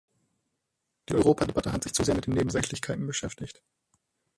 Die Europadebatte hat sich zu sehr mit den Nebensächlichkeiten beschäftigt.